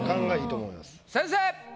先生！